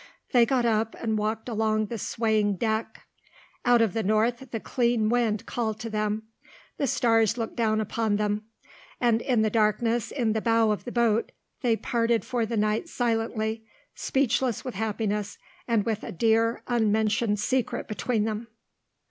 They got up and walked along the swaying deck. Out of the north the clean wind called to them, the stars looked down upon them, and in the darkness in the bow of the boat they parted for the night silently, speechless with happiness and with a dear, unmentioned secret between them.